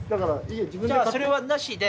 じゃあそれはなしで。